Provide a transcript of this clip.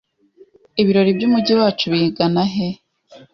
Ibirori byumujyi wacu bigana he